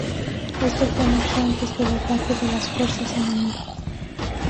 Esto fue mucho antes del ataque de las fuerzas enemigas.